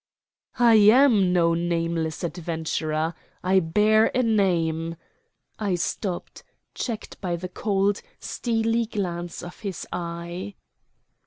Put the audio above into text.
"I am no nameless adventurer. I bear a name " I stopped, checked by the cold, steely glance of his eye.